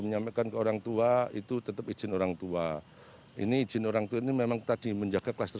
menyampaikan ke orangtua itu tetep izin orangtua ini izin orangtua ini memang tadi menjaga klaster